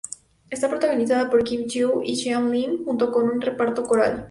Está protagonizada por Kim Chiu y Xian Lim junto con un reparto coral.